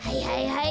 はい！